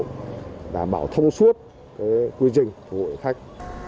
đảm bảo thông suốt quy trình phục vụ khách